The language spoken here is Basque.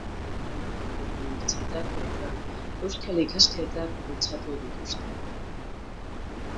Munduko puntako unibertsitateetan euskal ikasketak bultzatu dituzte.